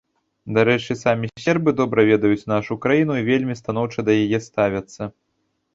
Дарэчы, самі сербы добра ведаюць нашу краіну і вельмі станоўча да яе ставяцца.